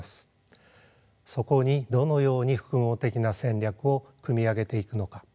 そこにどのように複合的な戦略を組み上げていくのか。